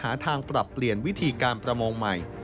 หาทางปรับเปลี่ยนวิธีการประมงใหม่